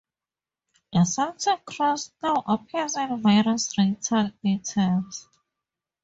The Celtic cross now appears in various retail items.